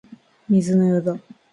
水のようだ